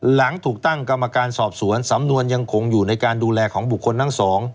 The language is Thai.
หลังถูกตั้งกรรมการสอบสวนสำนวนยังคงอยู่ในการดูแลของบุคคลทั้งสอง